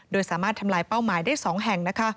โดยสามารถทำลายเป้าหมายได้๒แห่งนะคะ